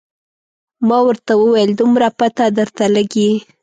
ما ورته وویل دومره پته درته لګي.